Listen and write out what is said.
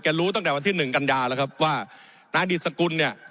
รู้ตั้งแต่วันที่หนึ่งกันยาแล้วครับว่านายดิตสกุลเนี่ย